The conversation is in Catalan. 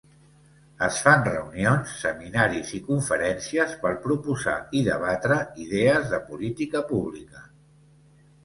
Es fan reunions, seminaris i conferències per proposar i debatre idees de política pública.